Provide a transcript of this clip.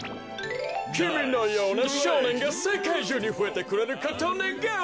きみのようなしょうねんがせかいじゅうにふえてくれることをねがうよ。